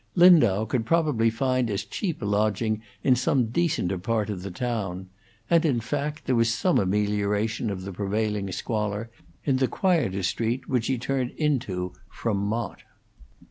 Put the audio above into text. Lindau could probably find as cheap a lodging in some decenter part of the town; and, in fact, there was some amelioration of the prevailing squalor in the quieter street which he turned into from Mott.